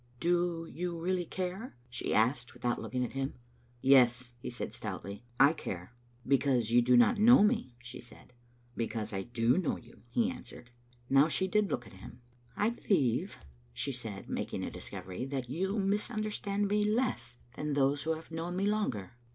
" Do you really care?" she asked, without looking at him. " Yes, " Tie said stoutly, " I care. "" Because you do not know me," she said. " Because I do know you," he answered. Now she did look at him. " I believe," she said, making a discovery, " that you misunderstand me less than those who have known me longer.